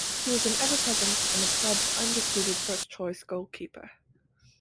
He was an ever present and the club's undisputed first choice goalkeeper.